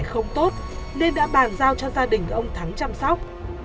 không tốt nên đã bàn giao cho gia đình ông thắng chăm sóc